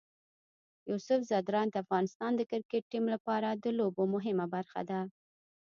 یوسف ځدراڼ د افغانستان د کرکټ ټیم لپاره د لوبو مهمه برخه ده.